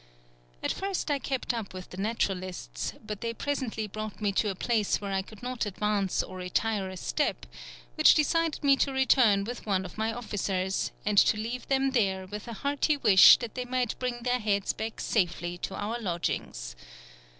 At first I kept up with the naturalists, but they presently brought me to a place where I could not advance or retire a step, which decided me to return with one of my officers, and to leave them there with a hearty wish that they might bring their heads back safely to our lodgings.